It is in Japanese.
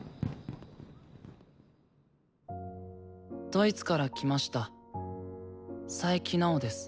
ドイツから来ました佐伯直です。